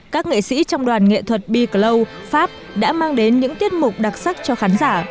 các nghệ sĩ trong đoàn nghệ thuật becloud pháp đã mang đến những tiết mục đặc sắc cho khán giả